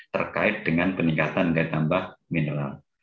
terkait dengan peningkatan dan tambah mineral